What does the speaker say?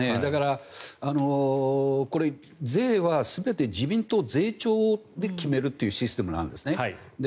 これ、税は全て自民党税調で決めるというシステムなんですね。